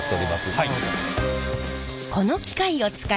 はい。